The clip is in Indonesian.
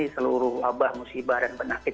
seluruh wabah musibah dan penyakit